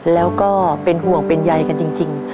แล้วก็เป็นห่วงเป็นใยกันจริง